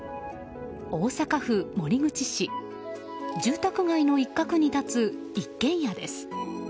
大阪府守口市住宅街の一角に立つ一軒家です。